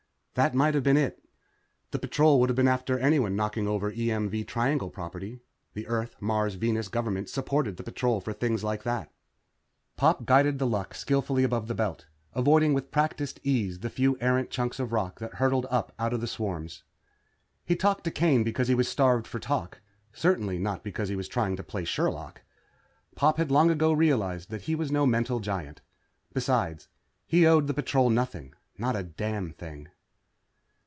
That might have been it. The Patrol would be after anyone knocking over EMV Triangle property. The Earth Mars Venus Government supported the Patrol for things like that. Pop guided The Luck skillfully above the Belt, avoiding with practiced ease the few errant chunks of rock that hurtled up out of the swarms. He talked to Kane because he was starved for talk certainly not because he was trying to play Sherlock. Pop had long ago realized that he was no mental giant. Besides, he owed the Patrol nothing. Not a damned thing.